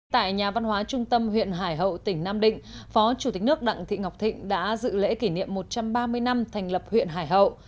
tại nhà văn hóa trung tâm huyện hải hậu tỉnh nam định phó chủ tịch nước đặng thị ngọc thịnh đã dự lễ kỷ niệm một trăm ba mươi năm thành lập huyện hải hậu